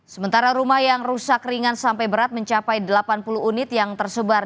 sementara rumah yang rusak ringan sampai berat mencapai delapan puluh unit yang tersebar